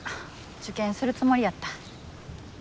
受験するつもりやった。